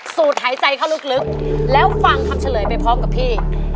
สูดหายใจเข้าลึกแล้วฟังคำเฉลยไปพร้อมกับพี่